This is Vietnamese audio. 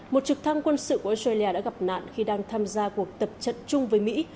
một trực thăng quân sự của australia đã gặp nạn khi đang tham gia cuộc tập trận chung với mỹ